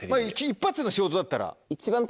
一発の仕事だったら。